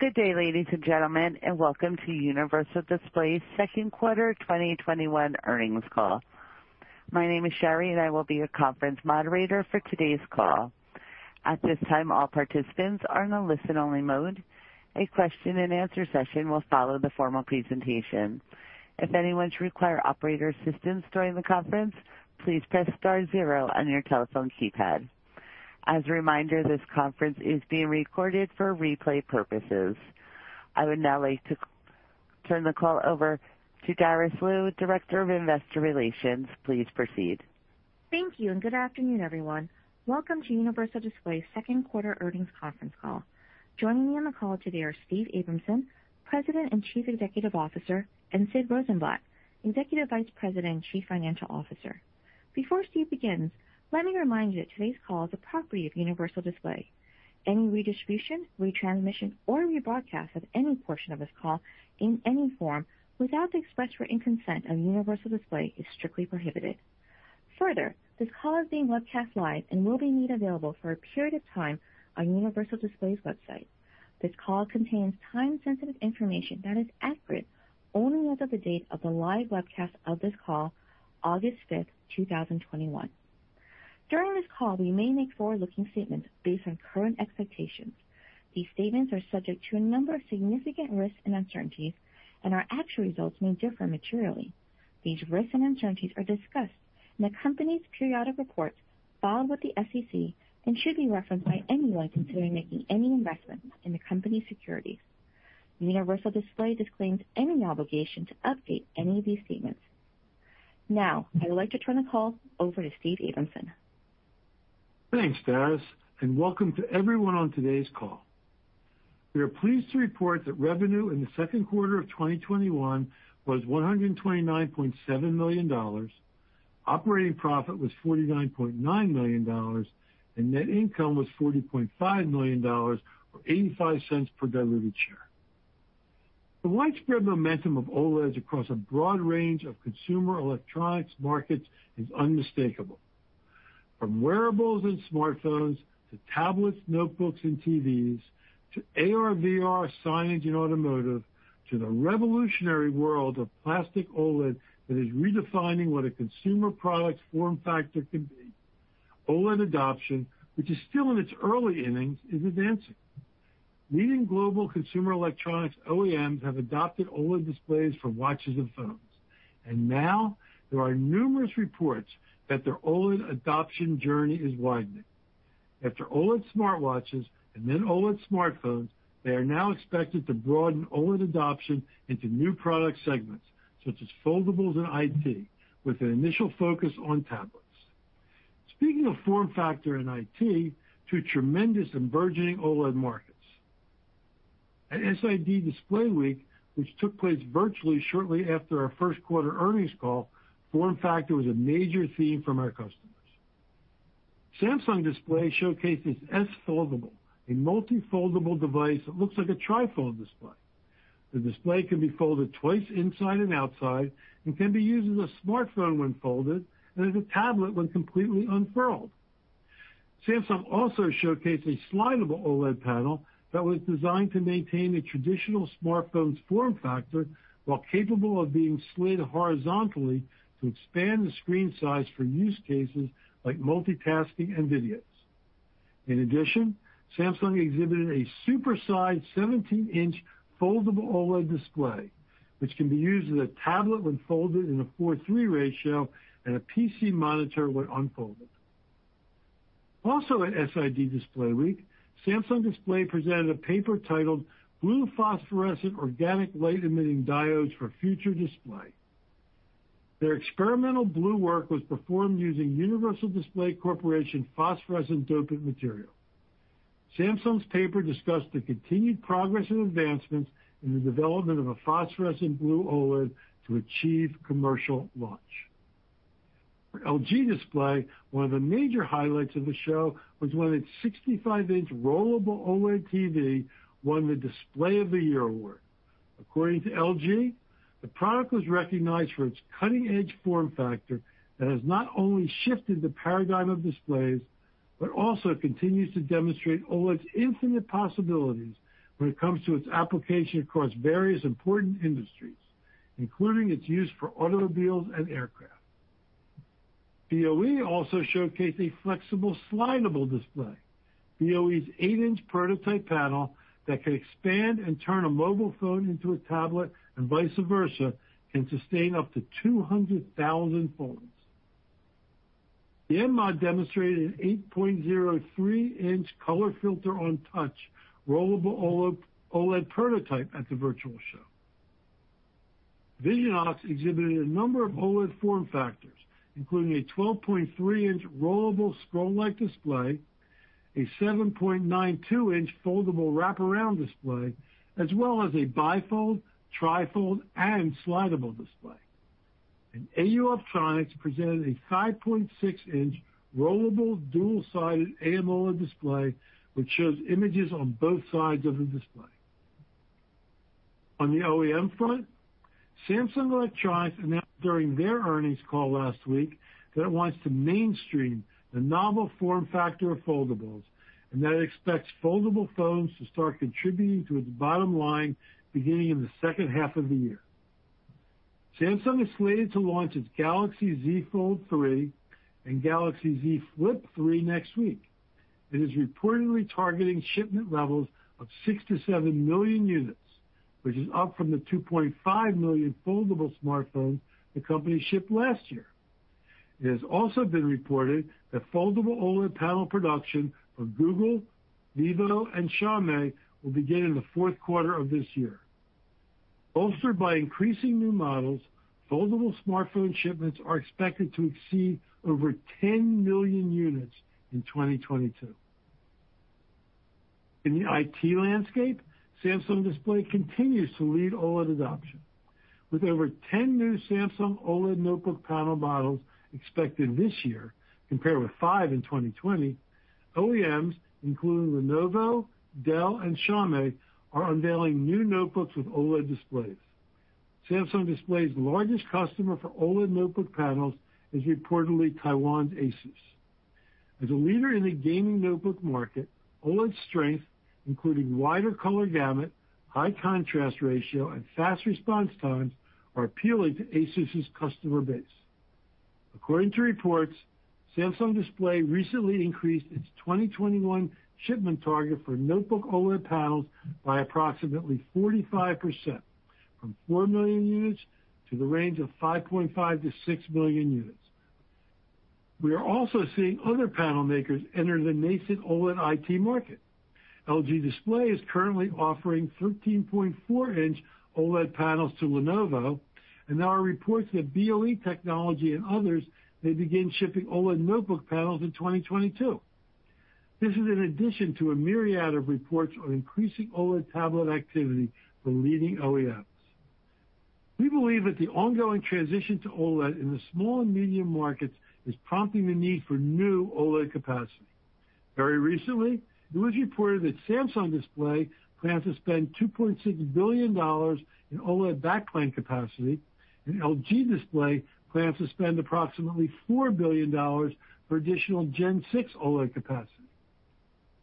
Good day, ladies and gentlemen, and welcome to Universal Display's second quarter 2021 earnings call. My name is Sherry, and I will be your conference moderator for today's call. At this time, all participants are in a listen-only mode. A question-and answer-session will follow the formal presentation. If anyone should require operator assistance during the conference, please press star zero on your telephone keypad. As a reminder, this conference is being recorded for replay purposes. I would now like to turn the call over to Darice Liu, Director of Investor Relations. Please proceed. Thank you. Good afternoon, everyone. Welcome to Universal Display's second quarter earnings conference call. Joining me on the call today are Steve Abramson, President and Chief Executive Officer, and Sid Rosenblatt, Executive Vice President and Chief Financial Officer. Before Steve begins, let me remind you that today's call is a property of Universal Display. Any redistribution, retransmission, or rebroadcast of any portion of this call in any form without the express written consent of Universal Display is strictly prohibited. This call is being webcast live and will be made available for a period of time on Universal Display's website. This call contains time-sensitive information that is accurate only as of the date of the live webcast of this call, August 5th, 2021. During this call, we may make forward-looking statements based on current expectations. These statements are subject to a number of significant risks and uncertainties, and our actual results may differ materially. These risks and uncertainties are discussed in the company's periodic reports filed with the SEC and should be referenced by anyone considering making any investments in the company's securities. Universal Display disclaims any obligation to update any of these statements. Now, I would like to turn the call over to Steve Abramson. Thanks, Darice, welcome to everyone on today's call. We are pleased to report that revenue in the second quarter of 2021 was $129.7 million, operating profit was $49.9 million, and net income was $40.5 million, or $0.85 per diluted share. The widespread momentum of OLEDs across a broad range of consumer electronics markets is unmistakable. From wearables and smartphones to tablets, notebooks, and TVs, to AR, VR, signage, and automotive, to the revolutionary world of plastic OLED that is redefining what a consumer product's form factor can be. OLED adoption, which is still in its early innings, is advancing. Leading global consumer electronics OEMs have adopted OLED displays for watches and phones, and now there are numerous reports that their OLED adoption journey is widening. After OLED smartwatches and then OLED smartphones, they are now expected to broaden OLED adoption into new product segments, such as foldables and IT, with an initial focus on tablets. Speaking of form factor and IT, two tremendous and burgeoning OLED markets. At SID Display Week, which took place virtually shortly after our first quarter earnings call, form factor was a major theme from our customers. Samsung Display showcased its S Foldable, a multi-foldable device that looks like a trifold display. The display can be folded twice inside and outside and can be used as a smartphone when folded and as a tablet when completely unfurled. Samsung also showcased a slidable OLED panel that was designed to maintain a traditional smartphone's form factor while capable of being slid horizontally to expand the screen size for use cases like multitasking and videos. In addition, Samsung exhibited a super-sized 17 in foldable OLED display, which can be used as a tablet when folded in a 4:3 ratio and a PC monitor when unfolded. At SID Display Week, Samsung Display presented a paper titled Blue Phosphorescent Organic Light-Emitting Diodes for Future Display. Their experimental blue work was performed using Universal Display Corporation phosphorescent dopant material. Samsung's paper discussed the continued progress and advancements in the development of a phosphorescent blue OLED to achieve commercial launch. For LG Display, one of the major highlights of the show was when its 65 in rollable OLED TV won the Display of the Year award. According to LG, the product was recognized for its cutting-edge form factor that has not only shifted the paradigm of displays but also continues to demonstrate OLED's infinite possibilities when it comes to its application across various important industries, including its use for automobiles and aircraft. BOE also showcased a flexible slidable display. BOE's eight in prototype panel that can expand and turn a mobile phone into a tablet and vice versa can sustain up to 200,000 folds. Tianma demonstrated an 8.03 in color filter on touch rollable OLED prototype at the virtual show. Visionox exhibited a number of OLED form factors, including a 12.3 in rollable scroll-like display, a 7.92 in foldable wraparound display, as well as a bifold, trifold, and slidable display. AU Optronics presented a 5.6 in rollable dual-sided AMOLED display, which shows images on both sides of the display. On the OEM front, Samsung Electronics announced during their earnings call last week that it wants to mainstream the novel form factor of foldables, and that it expects foldable phones to start contributing to its bottom line beginning in the second half of the year. Samsung is slated to launch its Galaxy Z Fold3 and Galaxy Z Flip3 next week. It is reportedly targeting shipment levels of 6 million-7 million units, which is up from the 2.5 million foldable smartphones the company shipped last year. It has also been reported that foldable OLED panel production for Google, vivo, and Xiaomi will begin in the fourth quarter of this year. Bolstered by increasing new models, foldable smartphone shipments are expected to exceed over 10 million units in 2022. In the IT landscape, Samsung Display continues to lead OLED adoption. With over 10 new Samsung OLED notebook panel models expected this year, compared with five in 2020, OEMs, including Lenovo, Dell, and Xiaomi, are unveiling new notebooks with OLED displays. Samsung Display's largest customer for OLED notebook panels is reportedly Taiwan's ASUS. As a leader in the gaming notebook market, OLED's strength, including wider color gamut, high contrast ratio, and fast response times, are appealing to ASUS's customer base. According to reports, Samsung Display recently increased its 2021 shipment target for notebook OLED panels by approximately 45%, from 4 million units to the range of 5.5 million-6 million units. We are also seeing other panel makers enter the nascent OLED IT market. LG Display is currently offering 13.4 in OLED panels to Lenovo, and there are reports that BOE Technology and others may begin shipping OLED notebook panels in 2022. This is in addition to a myriad of reports on increasing OLED tablet activity from leading OEMs. We believe that the ongoing transition to OLED in the small and medium markets is prompting the need for new OLED capacity. Very recently, it was reported that Samsung Display plans to spend $2.6 billion in OLED back plane capacity, and LG Display plans to spend approximately $4 billion for additional Gen-6 OLED capacity.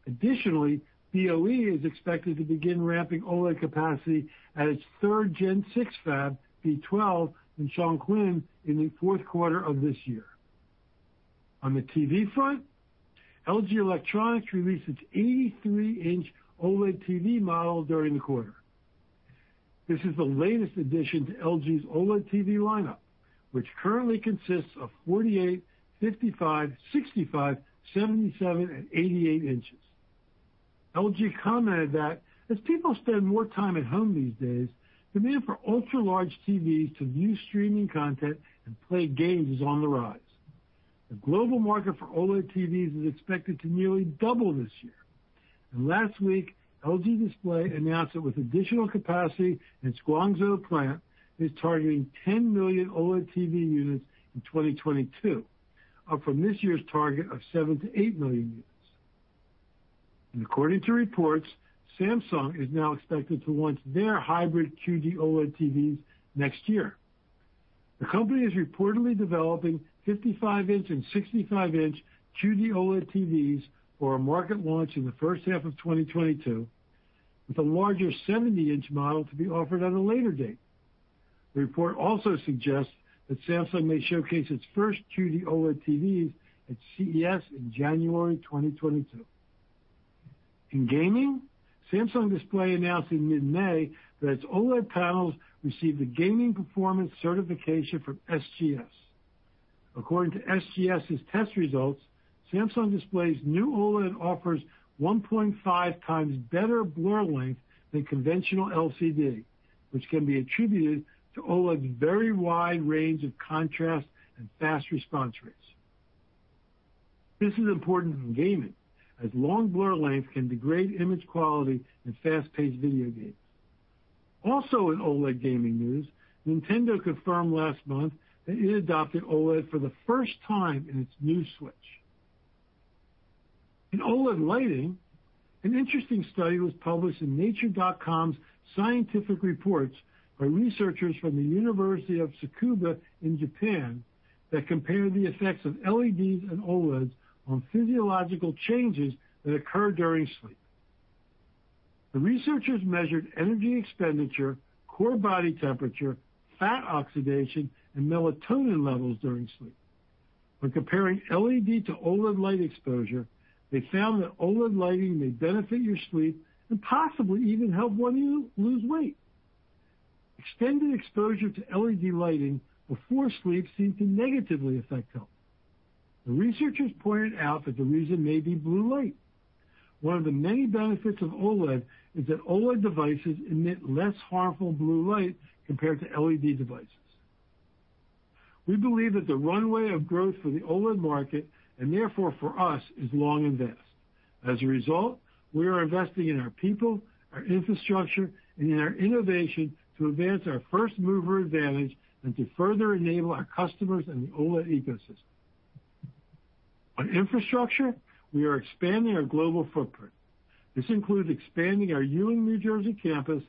Additionally, BOE is expected to begin ramping OLED capacity at its third Gen-6 fab, B12, in Chongqing in the fourth quarter of this year. On the TV front, LG Electronics released its 83 in OLED TV model during the quarter. This is the latest addition to LG's OLED TV lineup, which currently consists of 48 in, 55 in, 65 in, 77 in, and 88 in. LG commented that as people spend more time at home these days, demand for ultra large TVs to view streaming content and play games is on the rise. The global market for OLED TVs is expected to nearly double this year. Last week, LG Display announced that with additional capacity in its Guangzhou plant, it is targeting 10 million OLED TV units in 2022, up from this year's target of 7 million-8 million units. According to reports, Samsung is now expected to launch their hybrid QD-OLED TVs next year. The company is reportedly developing 55 in and 65 in QD-OLED TVs for a market launch in the first half of 2022, with a larger 70 in model to be offered at a later date. The report also suggests that Samsung may showcase its first QD-OLED TVs at CES in January 2022. In gaming, Samsung Display announced in mid-May that its OLED panels received the gaming performance certification from SGS. According to SGS's test results, Samsung Display's new OLED offers 1.5x better blur length than conventional LCD, which can be attributed to OLED's very wide range of contrast and fast response rates. This is important in gaming, as long blur length can degrade image quality in fast-paced video games. Also in OLED gaming news, Nintendo confirmed last month that it adopted OLED for the first time in its new Switch. In OLED lighting, an interesting study was published in nature.com's Scientific Reports by researchers from the University of Tsukuba in Japan that compared the effects of LEDs and OLEDs on physiological changes that occur during sleep. The researchers measured energy expenditure, core body temperature, fat oxidation, and melatonin levels during sleep. When comparing LED to OLED light exposure, they found that OLED lighting may benefit your sleep and possibly even help one lose weight. Extended exposure to LED lighting before sleep seemed to negatively affect health. The researchers pointed out that the reason may be blue light. One of the many benefits of OLED is that OLED devices emit less harmful blue light compared to LED devices. We believe that the runway of growth for the OLED market, and therefore for us, is long and vast. As a result, we are investing in our people, our infrastructure, and in our innovation to advance our first-mover advantage and to further enable our customers in the OLED ecosystem. On infrastructure, we are expanding our global footprint. This includes expanding our Ewing, New Jersey campus,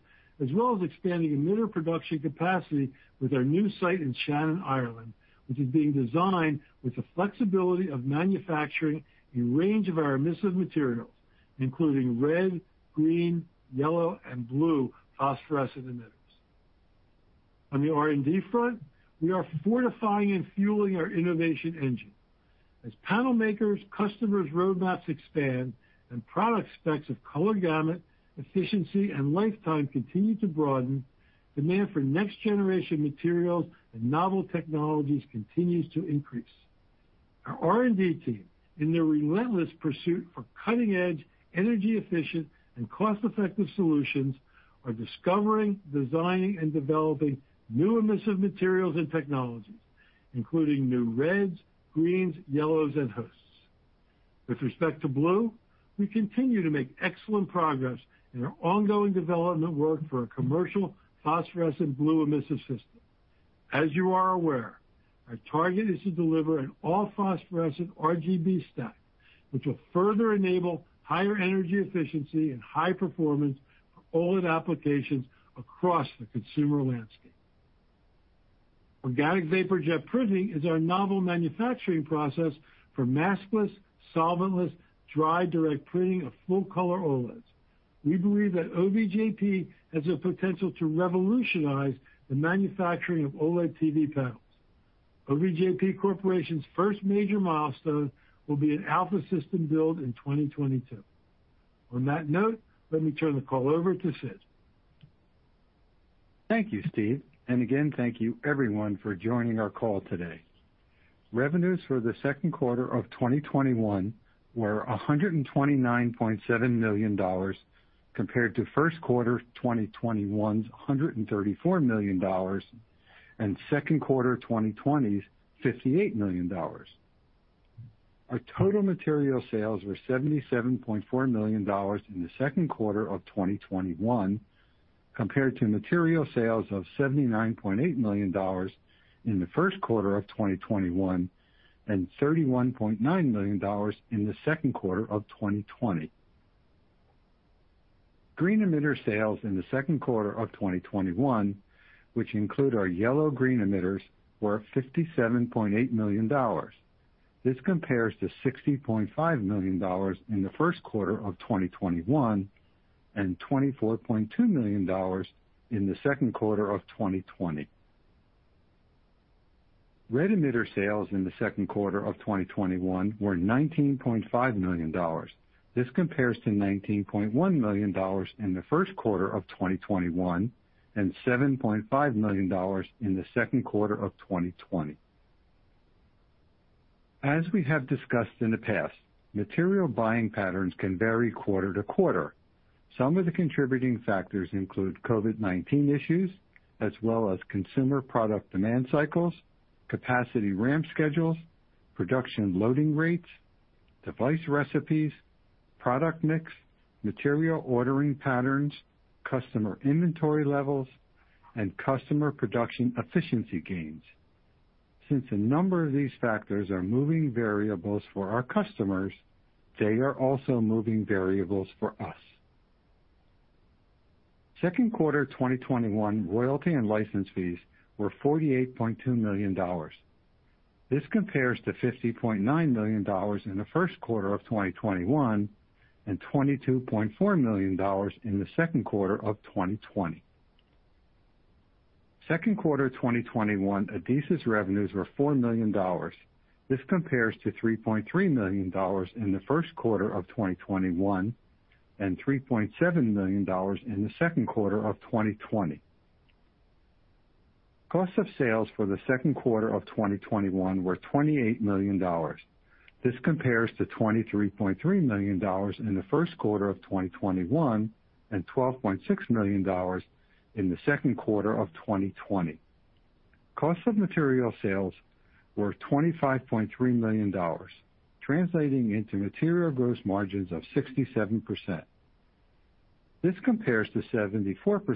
as well as expanding emitter production capacity with our new site in Shannon, Ireland, which is being designed with the flexibility of manufacturing a range of our emissive materials, including red, green, yellow and blue phosphorescent emitters. On the R&D front, we are fortifying and fueling our innovation engine. As panel makers' customers' roadmaps expand and product specs of color gamut, efficiency, and lifetime continue to broaden, demand for next-generation materials and novel technologies continues to increase. Our R&D team, in their relentless pursuit for cutting-edge, energy-efficient, and cost-effective solutions, are discovering, designing, and developing new emissive materials and technologies, including new reds, greens, yellows, and hosts. With respect to blue, we continue to make excellent progress in our ongoing development work for a commercial phosphorescent blue emissive system. As you are aware, our target is to deliver an all-phosphorescent RGB stack, which will further enable higher energy efficiency and high performance for OLED applications across the consumer landscape. Organic Vapor Jet Printing is our novel manufacturing process for maskless, solventless, dry direct printing of full-color OLEDs. We believe that OVJP has the potential to revolutionize the manufacturing of OLED TV panels. OVJP Corporation's first major milestone will be an alpha system build in 2022. On that note, let me turn the call over to Sid. Thank you, Steve. Again, thank you everyone for joining our call today. Revenues for the second quarter of 2021 were $129.7 million, compared to first quarter 2021's $134 million and second quarter 2020's $58 million. Our total material sales were $77.4 million in the second quarter of 2021, compared to material sales of $79.8 million in the first quarter of 2021, and $31.9 million in the second quarter of 2020. Green emitter sales in the second quarter of 2021, which include our yellow-green emitters, were $57.8 million. This compares to $60.5 million in the first quarter of 2021, and $24.2 million in the second quarter of 2020. Red emitter sales in the second quarter of 2021 were $19.5 million. This compares to $19.1 million in the first quarter of 2021, and $7.5 million in the second quarter of 2020. As we have discussed in the past, material buying patterns can vary quarter-to-quarter. Some of the contributing factors include COVID-19 issues, as well as consumer product demand cycles, capacity ramp schedules, production loading rates, device recipes, product mix, material ordering patterns, customer inventory levels, and customer production efficiency gains. Since a number of these factors are moving variables for our customers, they are also moving variables for us. Second quarter 2021 royalty and license fees were $48.2 million. This compares to $50.9 million in the first quarter of 2021, and $22.4 million in the second quarter of 2020. Second quarter 2021 adhesives revenues were $4 million. This compares to $3.3 million in the first quarter of 2021, and $3.7 million in the second quarter of 2020. Cost of sales for the second quarter of 2021 were $28 million. This compares to $23.3 million in the first quarter of 2021, and $12.6 million in the second quarter of 2020. Cost of material sales were $25.3 million, translating into material gross margins of 67%. This compares to 74%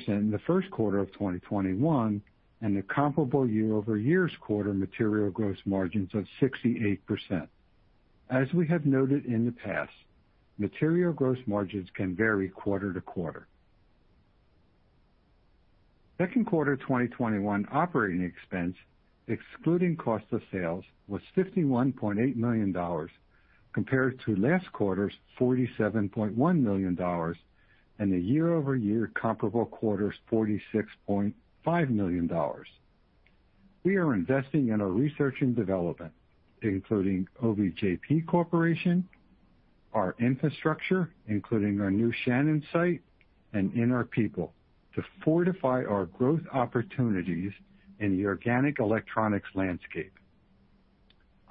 in the first quarter of 2021, and the comparable year-over-year quarter material gross margins of 68%. As we have noted in the past, material gross margins can vary quarter-to-quarter. Second quarter 2021 operating expense, excluding cost of sales, was $51.8 million, compared to last quarter's $47.1 million and a year-over-year comparable quarter's $46.5 million. We are investing in our research and development, including OVJP Corporation, our infrastructure, including our new Shannon site, and in our people to fortify our growth opportunities in the organic electronics landscape.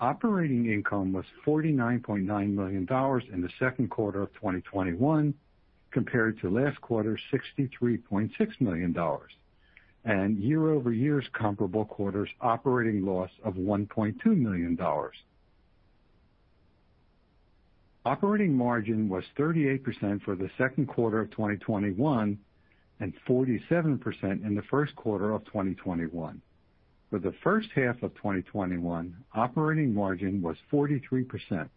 Operating income was $49.9 million in the second quarter of 2021, compared to last quarter's $63.6 million and year-over-year's comparable quarter's operating loss of $1.2 million. Operating margin was 38% for the second quarter of 2021 and 47% in the first quarter of 2021. For the first half of 2021, operating margin was 43%,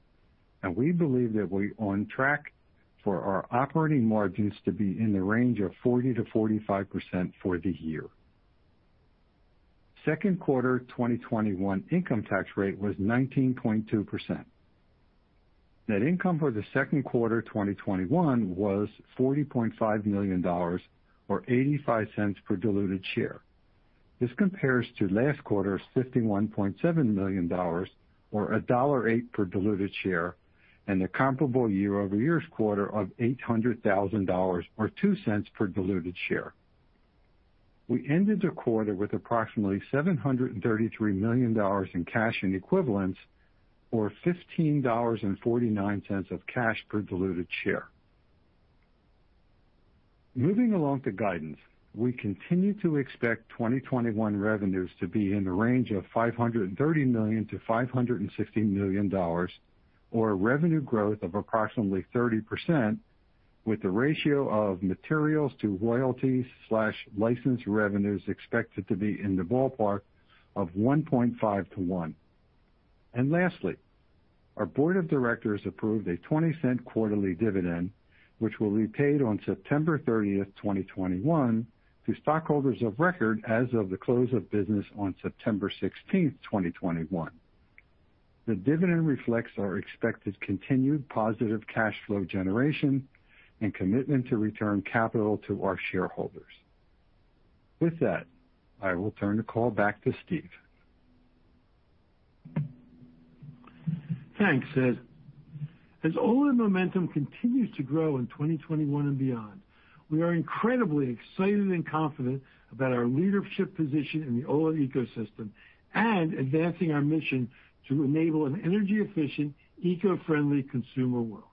and we believe that we're on track for our operating margins to be in the range of 40%-45% for the year. Second quarter 2021 income tax rate was 19.2%. Net income for the second quarter 2021 was $40.5 million, or $0.85 per diluted share. This compares to last quarter's $51.7 million, or $1.08 per diluted share, and the comparable year-over-year's quarter of $800,000, or $0.02 per diluted share. We ended the quarter with approximately $733 million in cash and equivalents, or $15.49 of cash per diluted share. Moving along to guidance, we continue to expect 2021 revenues to be in the range of $530 million-$560 million, or revenue growth of approximately 30%, with the ratio of materials to royalties/license revenues expected to be in the ballpark of 1.5:1. Lastly, our Board of Directors approved a $0.20 quarterly dividend, which will be paid on September 30th, 2021 to stockholders of record as of the close of business on September 16th, 2021. The dividend reflects our expected continued positive cash flow generation and commitment to return capital to our shareholders. With that, I will turn the call back to Steve. Thanks, Sid. As OLED momentum continues to grow in 2021 and beyond, we are incredibly excited and confident about our leadership position in the OLED ecosystem and advancing our mission to enable an energy efficient, eco-friendly consumer world.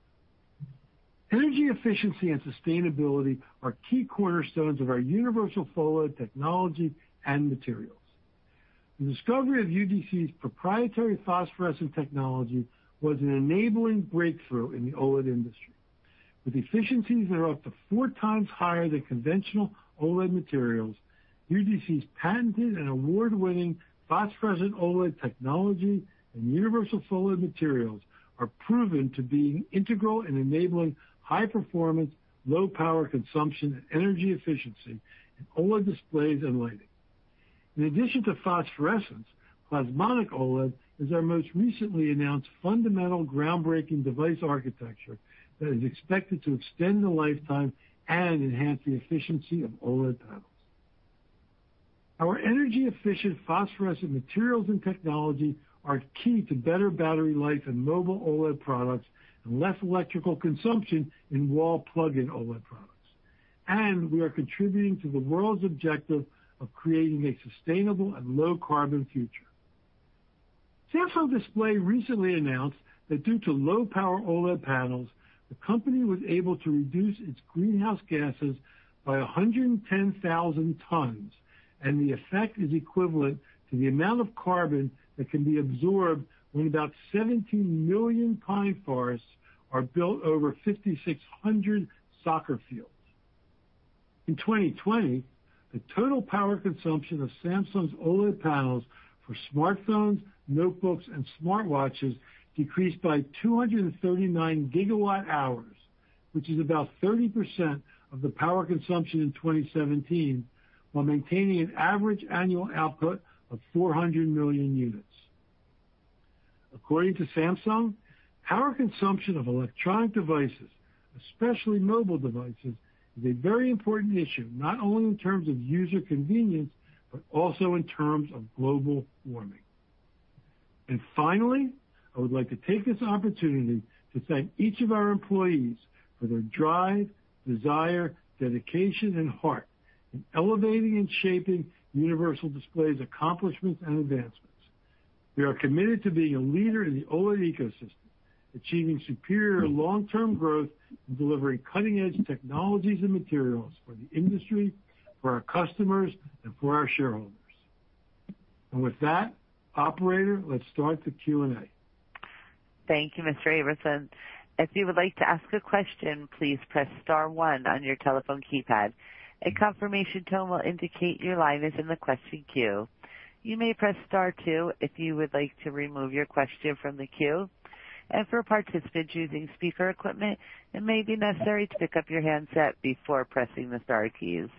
Energy efficiency and sustainability are key cornerstones of our UniversalPHOLED technology and materials. The discovery of UDC's proprietary phosphorescent technology was an enabling breakthrough in the OLED industry. With efficiencies that are up to four times higher than conventional OLED materials, UDC's patented and award-winning phosphorescent OLED technology and UniversalPHOLED materials are proven to be integral in enabling high performance, low power consumption, and energy efficiency in OLED displays and lighting. In addition to phosphorescence, Plasmonic OLED is our most recently announced fundamental groundbreaking device architecture that is expected to extend the lifetime and enhance the efficiency of OLED panels. Our energy efficient phosphorescent materials and technology are key to better battery life in mobile OLED products and less electrical consumption in wall plugin OLED products. We are contributing to the world's objective of creating a sustainable and low carbon future. Samsung Display recently announced that due to low power OLED panels, the company was able to reduce its greenhouse gases by 110,000 tons, and the effect is equivalent to the amount of carbon that can be absorbed when about 17 million pine forests are built over 5,600 soccer fields. In 2020, the total power consumption of Samsung's OLED panels for smartphones, notebooks, and smartwatches decreased by 239 GWh, which is about 30% of the power consumption in 2017, while maintaining an average annual output of 400 million units. According to Samsung, power consumption of electronic devices, especially mobile devices, is a very important issue, not only in terms of user convenience, but also in terms of global warming. Finally, I would like to take this opportunity to thank each of our employees for their drive, desire, dedication, and heart in elevating and shaping Universal Display's accomplishments and advancements. We are committed to being a leader in the OLED ecosystem, achieving superior long-term growth, and delivering cutting edge technologies and materials for the industry, for our customers, and for our shareholders. With that, operator, let's start the Q&A. Thank you, Mr. Abramson. If you would like to ask a question, please press star one on your telephone keypad. A confirmation tone will indicate your line is in the question queue. You may press star two if you would like to remove your question from the queue. For participants using speaker equipment, it may be necessary to pick up your handset before pressing the star keys.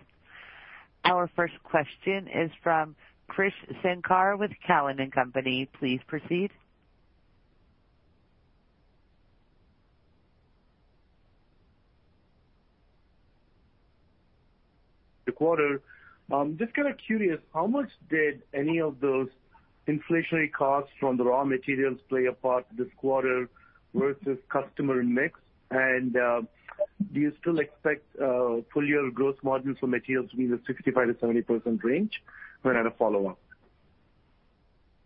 Our first question is from Krish Sankar with Cowen and Company. Please proceed. The quarter. Just curious, how much did any of those inflationary costs from the raw materials play a part this quarter versus customer mix? Do you still expect full year gross margin for materials to be in the 65%-70% range? I had a follow-up.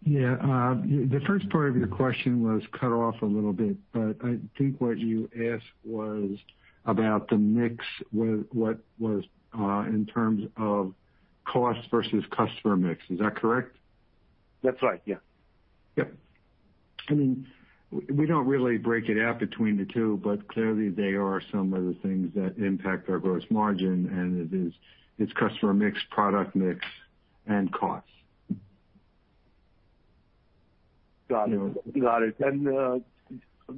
Yeah. The first part of your question was cut off a little bit. I think what you asked was about the mix, in terms of cost versus customer mix. Is that correct? That's right. Yeah. Yep. Clearly they are some of the things that impact our gross margin, and it is customer mix, product mix, and cost. Got it.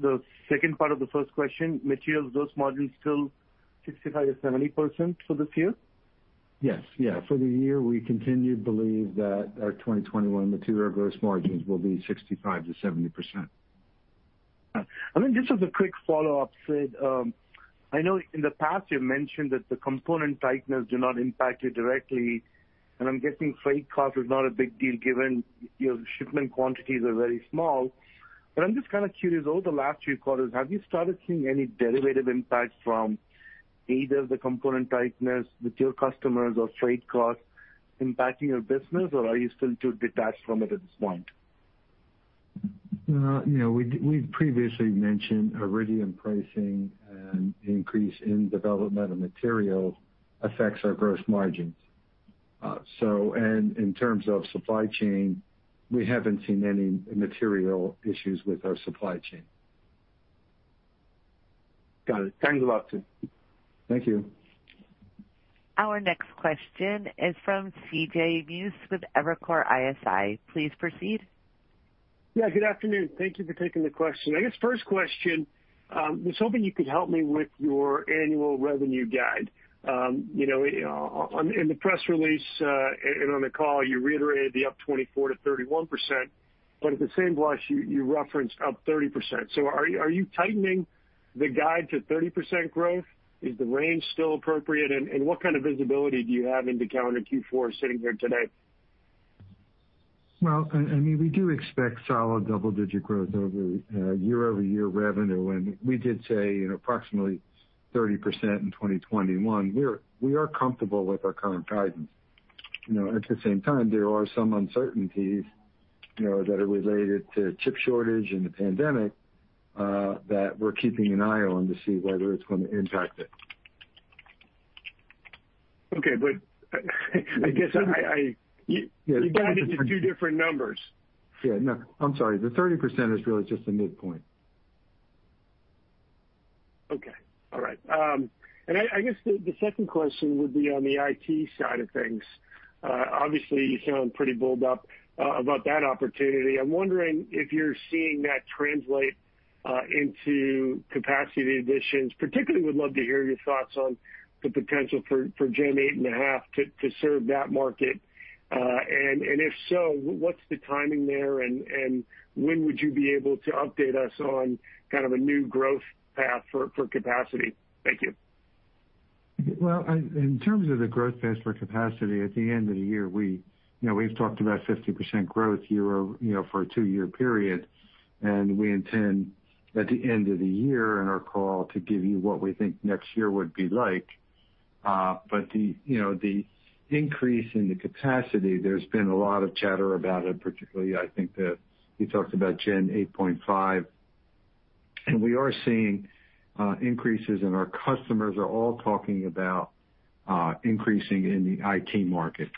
The second part of the first question, materials, gross margin is still 65%-70% for this year? Yes. For the year, we continue to believe that our 2021 material gross margins will be 65%-70%. Just as a quick follow-up, Sid. I know in the past you've mentioned that the component tightness do not impact you directly, and I'm guessing freight cost is not a big deal given your shipment quantities are very small. I'm just kind of curious, over the last few quarters, have you started seeing any derivative impacts from either the component tightness with your customers or freight costs impacting your business, or are you still too detached from it at this point? We previously mentioned iridium pricing and increase in development of material affects our gross margins. In terms of supply chain, we haven't seen any material issues with our supply chain. Got it. Thanks a lot, Sid. Thank you. Our next question is from C.J. Muse with Evercore ISI. Please proceed. Yeah, good afternoon. Thank you for taking the question. I guess, first question, was hoping you could help me with your annual revenue guide. In the press release, and on the call, you reiterated the up 24%-31%, but at the same breath, you referenced up 30%. Are you tightening the guide to 30% growth? Is the range still appropriate? What kind of visibility do you have into calendar Q4 sitting here today? Well, we do expect solid double-digit growth over year-over-year revenue. We did say approximately 30% in 2021. We are comfortable with our current guidance. At the same time, there are some uncertainties that are related to chip shortage and the pandemic, that we're keeping an eye on to see whether it's going to impact it. Okay. I guess you guided the two different numbers. Yeah. No, I'm sorry. The 30% is really just a midpoint. I guess the second question would be on the IT side of things. Obviously, you sound pretty bulled up about that opportunity. I'm wondering if you're seeing that translate into capacity additions. Particularly would love to hear your thoughts on the potential for Gen-8.5 to serve that market. If so, what's the timing there, and when would you be able to update us on kind of a new growth path for capacity? Thank you. Well, in terms of the growth path for capacity at the end of the year, we've talked about 50% growth for a two-year period, and we intend at the end of the year in our call to give you what we think next year would be like. The increase in the capacity, there's been a lot of chatter about it, particularly I think that you talked about Gen-8.5, and we are seeing increases, and our customers are all talking about increasing in the IT market.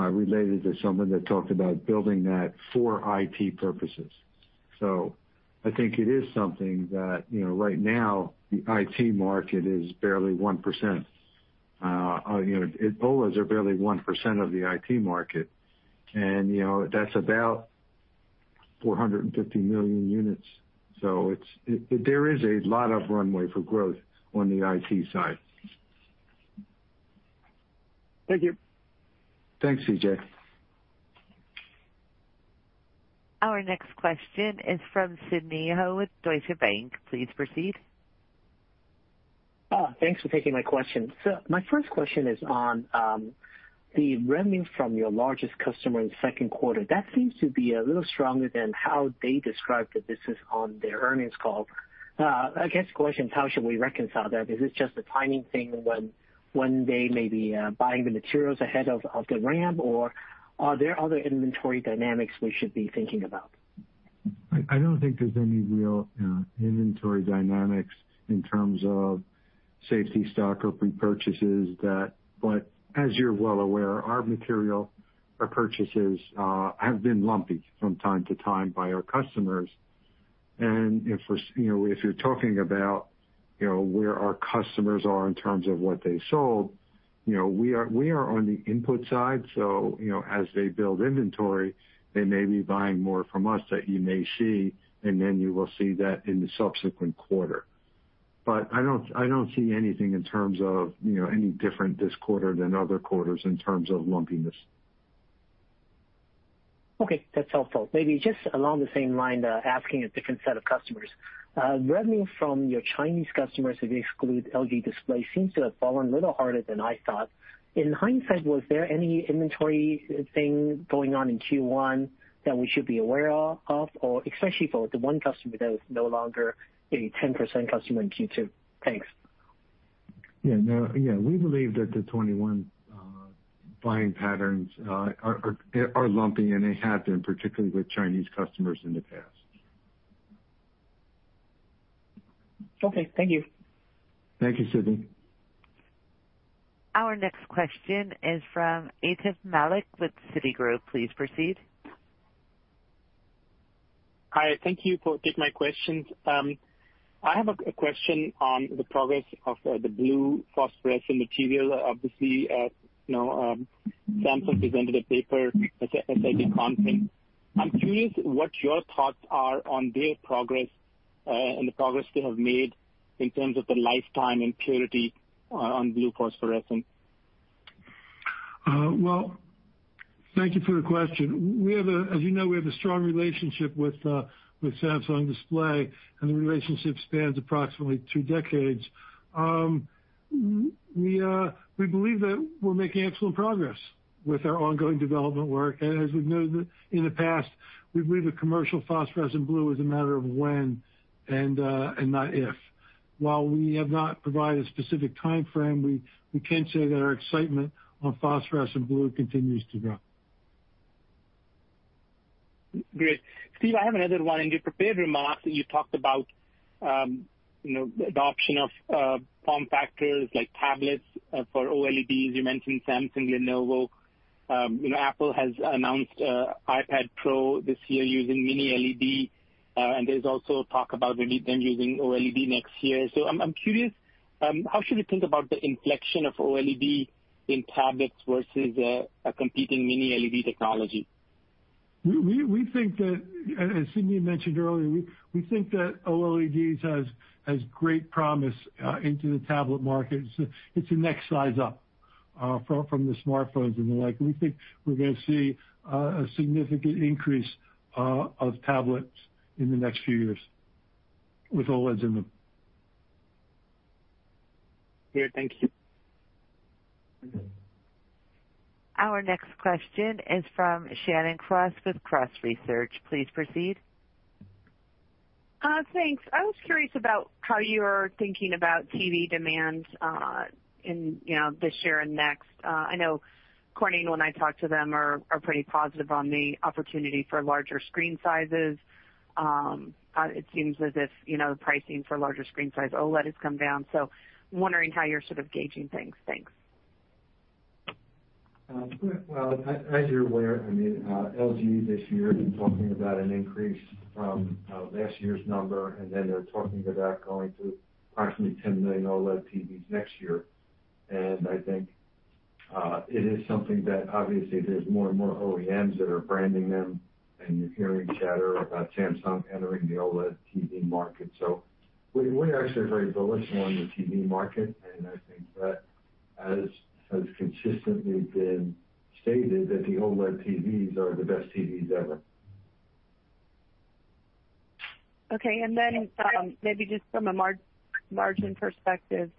I think it is something that right now the IT market is barely 1%. OLEDs are barely 1% of the IT market, and that's about 450 million units. There is a lot of runway for growth on the IT side. Thank you. Thanks, C.J. Our next question is from Sidney Ho with Deutsche Bank. Please proceed. Thanks for taking my question. My first question is on the revenue from your largest customer in the second quarter. That seems to be a little stronger than how they described the business on their earnings call. I guess the question is, how should we reconcile that? Is this just a timing thing when they may be buying the materials ahead of the ramp, or are there other inventory dynamics we should be thinking about? I don't think there's any real inventory dynamics in terms of safety stock or pre-purchases. As you're well aware, our material purchases have been lumpy from time to time by our customers. If you're talking about where our customers are in terms of what they sold, we are on the input side, so as they build inventory, they may be buying more from us that you may see, and then you will see that in the subsequent quarter. I don't see anything in terms of any different this quarter than other quarters in terms of lumpiness. Okay, that's helpful. Maybe just along the same line, asking a different set of customers. Revenue from your Chinese customers, if you exclude LG Display, seems to have fallen a little harder than I thought. In hindsight, was there any inventory thing going on in Q1 that we should be aware of? Especially for the one customer that is no longer a 10% customer in Q2. Thanks. Yeah. We believe that the 2021 buying patterns are lumpy, and they have been, particularly with Chinese customers in the past. Okay. Thank you. Thank you, Sidney. Our next question is from Atif Malik with Citigroup. Please proceed. Hi. Thank you for taking my questions. I have a question on the progress of the blue phosphorescent material. Obviously, Samsung presented a paper at SID conference. I'm curious what your thoughts are on their progress, and the progress they have made in terms of the lifetime and purity on blue phosphorescent. Well, thank you for the question. As you know, we have a strong relationship with Samsung Display, and the relationship spans approximately two decades. We believe that we're making excellent progress with our ongoing development work. As we've noted in the past, we believe the commercial phosphorescent blue is a matter of when and not if. While we have not provided a specific timeframe, we can say that our excitement on phosphorescent blue continues to grow. Great. Steve, I have another one. In your prepared remarks that you talked about the adoption of form factors like tablets for OLEDs. You mentioned Samsung, Lenovo. Apple has announced iPad Pro this year using Mini-LED, and there's also talk about them using OLED next year. I'm curious, how should we think about the inflection of OLED in tablets versus a competing Mini-LED technology? As Sidney mentioned earlier, we think that OLED has great promise into the tablet market. It's a next size up from the smartphones and the like. We think we're going to see a significant increase of tablets in the next few years with OLEDs in them. Great. Thank you. Our next question is from Shannon Cross with Cross Research. Please proceed. Thanks. I was curious about how you're thinking about TV demand this year and next. I know Corning, when I talked to them, are pretty positive on the opportunity for larger screen sizes. It seems as if pricing for larger screen size OLED has come down. Wondering how you're sort of gauging things. Thanks. Well, as you're aware, LG this year has been talking about an increase from last year's number, and then they're talking about going to approximately 10 million OLED TVs next year. I think it is something that obviously there's more and more OEMs that are branding them, and you're hearing chatter about Samsung entering the OLED TV market. We're actually very bullish on the TV market, and I think that as has consistently been stated, that the OLED TVs are the best TVs ever. Okay. Maybe just from a margin perspective,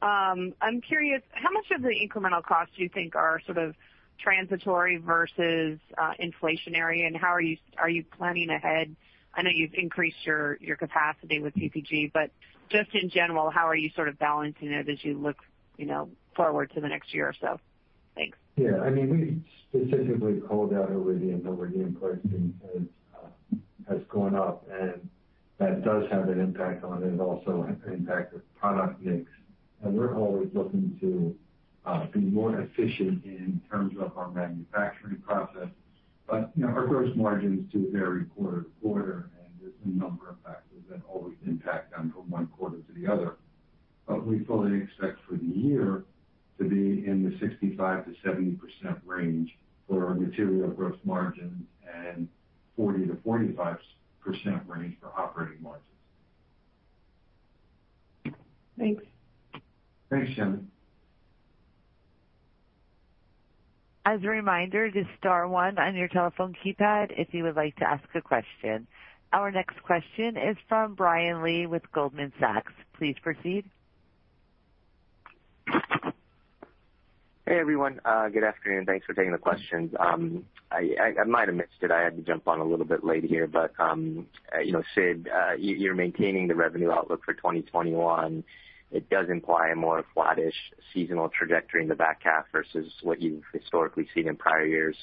I'm curious, how much of the incremental costs do you think are sort of transitory versus inflationary, and are you planning ahead? I know you've increased your capacity with PPG, but just in general, how are you sort of balancing it as you look forward to the next year or so? Thanks. Yeah, we specifically called out iridium. Iridium pricing has gone up, and that does have an impact on it. Also, an impact with product mix. We're always looking to be more efficient in terms of our manufacturing process. Our gross margins do vary quarter-to-quarter, and there's a number of factors that always impact them from one quarter to the other. We fully expect for the year to be in the 65%-70% range for our material gross margins and 40%-45% range for operating margins. Thanks. Thanks, Shannon. As a reminder, just star one on your telephone keypad if you would like to ask a question. Our next question is from Brian Lee with Goldman Sachs. Please proceed. Hey, everyone. Good afternoon. Thanks for taking the questions. I might have missed it. I had to jump on a little bit late here. Sid, you're maintaining the revenue outlook for 2021. It does imply a more flattish seasonal trajectory in the back half versus what you've historically seen in prior years.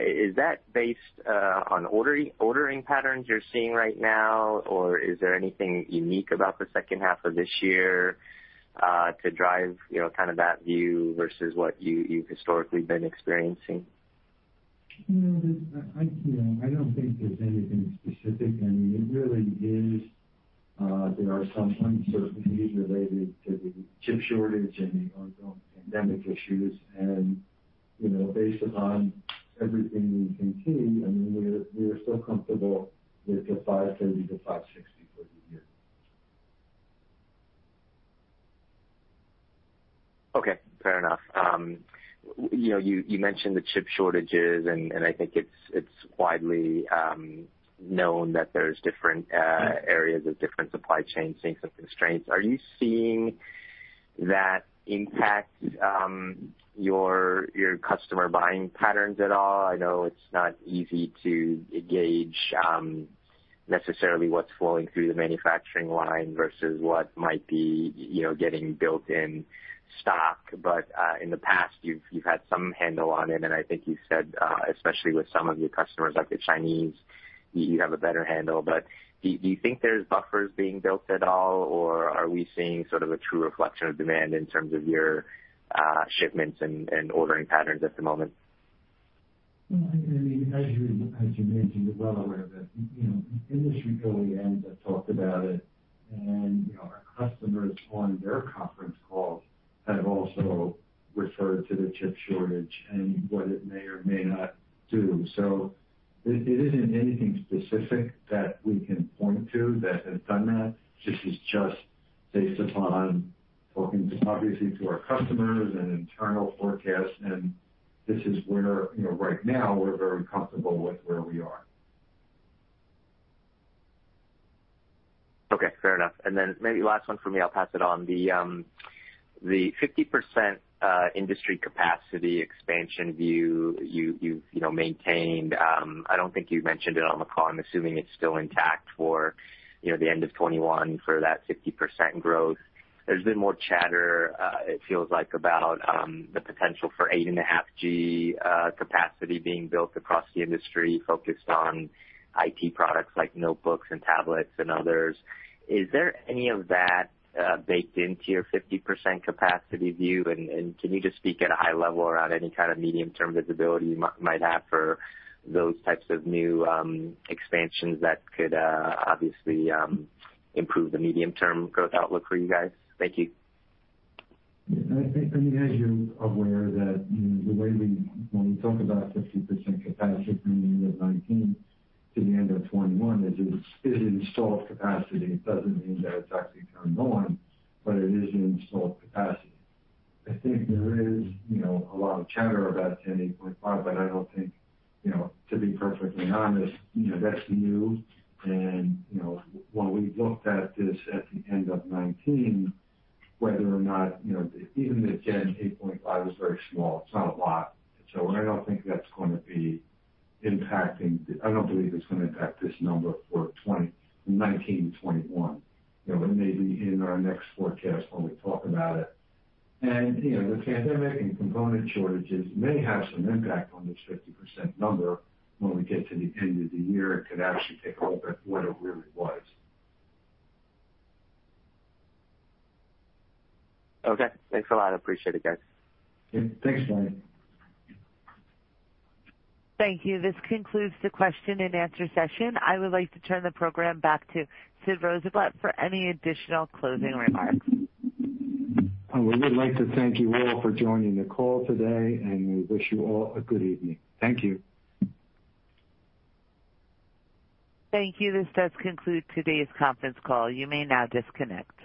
Is that based on ordering patterns you're seeing right now, or is there anything unique about the second half of this year to drive that view versus what you've historically been experiencing? I don't think there's anything specific. It really is there are some uncertainties related to the chip shortage and the ongoing pandemic issues. Based upon everything we can see, we are still comfortable with the $530 million-$560 million for the year. Okay. Fair enough. You mentioned the chip shortages. I think it's widely known that there's different areas of different supply chain seeing some constraints. Are you seeing that impact your customer buying patterns at all? I know it's not easy to gauge necessarily what's flowing through the manufacturing line versus what might be getting built in stock. In the past you've had some handle on it. I think you said, especially with some of your customers, like the Chinese, you have a better handle. Do you think there's buffers being built at all, or are we seeing sort of a true reflection of demand in terms of your shipments and ordering patterns at the moment? Well, as you mentioned, you're well aware that industry going in has talked about it and our customers on their conference calls have also referred to the chip shortage and what it may or may not do. It isn't anything specific that we can point to that has done that. This is just based upon talking, obviously, to our customers and internal forecasts, and this is where, right now, we're very comfortable with where we are. Okay. Fair enough. Then maybe last one from me, I'll pass it on. The 50% industry capacity expansion view you've maintained, I don't think you've mentioned it on the call, I'm assuming it's still intact for the end of 2021 for that 50% growth. There's been more chatter, it feels like, about the potential for Gen-8.5 capacity being built across the industry focused on IT products like notebooks and tablets and others. Is there any of that baked into your 50% capacity view? Can you just speak at a high level around any kind of medium-term visibility you might have for those types of new expansions that could obviously improve the medium-term growth outlook for you guys? Thank you. I think as you're aware that the way we when we talk about 50% capacity from the end of 2019 to the end of 2021, is it's installed capacity. It doesn't mean that it's actually turned on, but it is installed capacity. I think there is a lot of chatter about 10, 8.5, but I don't think, to be perfectly honest, that's new, and when we looked at this at the end of 2019, whether even the 10, 8.5 is very small. It's not a lot. I don't think that's going to be impacting I don't believe it's going to impact this number for 2019 and 2021. It may be in our next forecast when we talk about it. The pandemic and component shortages may have some impact on this 50% number when we get to the end of the year. It could actually take a look at what it really was. Okay. Thanks a lot. I appreciate it, guys. Yeah. Thanks, Brian. Thank you. This concludes the question-and-answer session. I would like to turn the program back to Sid Rosenblatt for any additional closing remarks. We would like to thank you all for joining the call today, and we wish you all a good evening. Thank you. Thank you. This does conclude today's conference call. You may now disconnect.